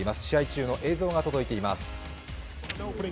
試合中の映像が届いています。